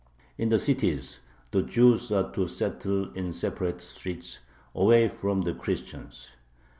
In the cities the Jews are to settle in separate streets, away from the Christians.